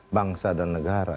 bangsa dan negara